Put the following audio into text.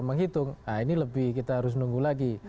menghitung nah ini lebih kita harus nunggu lagi